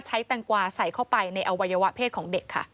แตงกวาใส่เข้าไปในอวัยวะเพศของเด็กค่ะ